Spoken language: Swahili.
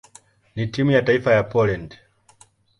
na timu ya taifa ya Poland.